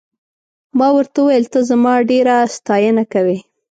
ما ورته وویل ته زما ډېره ستاینه کوې.